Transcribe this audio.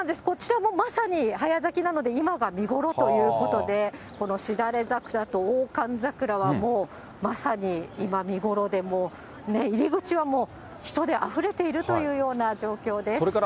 こちらもまさに早咲きなので、今が見頃ということで、このしだれ桜と大寒桜はもう、まさに今、見頃で、入り口はもう、人であふれているというような状況です。